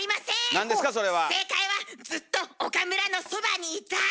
正解はずっと岡村のそばにイタイ！